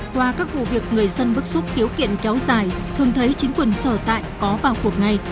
qua các vụ việc người dân bức xúc khiếu kiện kéo dài thường thấy chính quyền sở tại có vào cuộc ngay